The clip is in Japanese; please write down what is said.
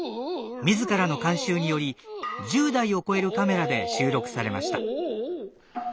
自らの監修により１０台を超えるカメラで収録されました。